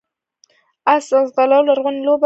اس ځغلول لرغونې لوبه ده